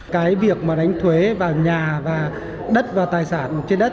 cái việc mà đánh thuế vào nhà và đất và tài sản trên đất